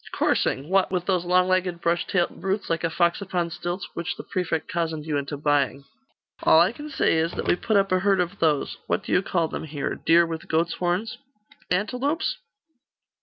'Coursing? What, with those long legged brush tailed brutes, like a fox upon stilts, which the prefect cozened you into buying.' 'All I can say is, that we put up a herd of those what do you call them here deer with goats' horns?' 'Antelopes?